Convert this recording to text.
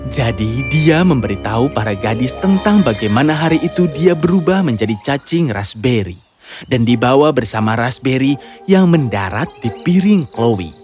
jadi dia memberitahu para gadis tentang bagaimana hari itu dia berubah menjadi cacing raspberry dan dibawa bersama raspberry yang mendarat di piring chloe